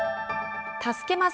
助けます！